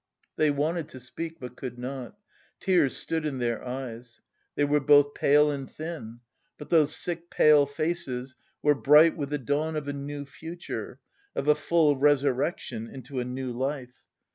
They wanted to speak, but could not; tears stood in their eyes. They were both pale and thin; but those sick pale faces were bright with the dawn of a new future, of a full resurrection into a new life.